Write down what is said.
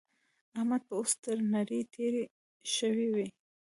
احمد به اوس تر نړۍ تېری شوی وي.